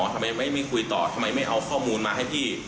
ทำไมไม่คุยต่อทำไมไม่เอาข้อมูลมาให้พี่